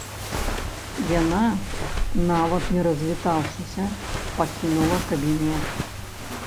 Яна, нават не развітаўшыся, пакінула кабінет.